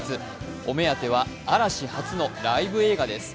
お目当ては嵐初のライブ映画です。